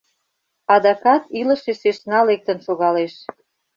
Адакат илыше сӧсна лектын шогалеш...